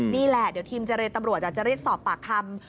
นี่ล่ะเดี๋ยวทีมจริงจะเรียกสอบปากคำ